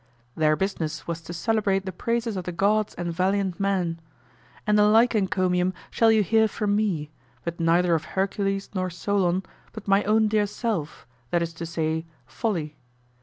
Their business was to celebrate the praises of the gods and valiant men. And the like encomium shall you hear from me, but neither of Hercules nor Solon, but my own dear self, that is to say, Folly.